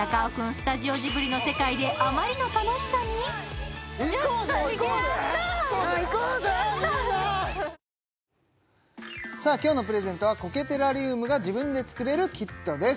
スタジオジブリの世界であまりの楽しさに今日のプレゼントは苔テラリウムが自分で作れるキットです